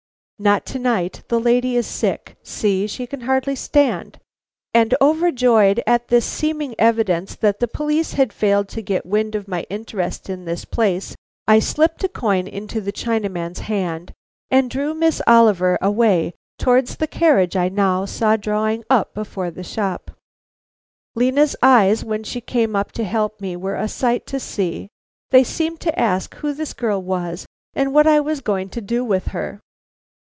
"Not to night. The lady is sick; see, she can hardly stand." And overjoyed at this seeming evidence that the police had failed to get wind of my interest in this place, I slipped a coin into the Chinaman's hand, and drew Miss Oliver away towards the carriage I now saw drawing up before the shop. Lena's eyes when she came up to help me were a sight to see. They seemed to ask who this girl was and what I was going to do with her.